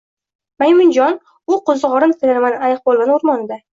— Maymunjon – u qo’ziqorin teraman ayiqpolvon o’rmonida